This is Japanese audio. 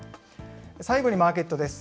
最後にマーケットです。